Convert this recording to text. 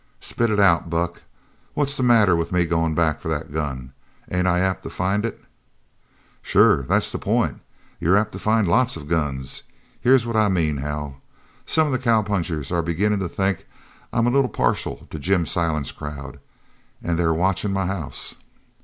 "Spit it out, Buck. What's the matter with me goin' back for that gun? Ain't I apt to find it?" "Sure. That's the point. You're apt to find lots of guns. Here's what I mean, Hal. Some of the cowpunchers are beginnin' to think I'm a little partial to Jim Silent's crowd. An' they're watchin' my house."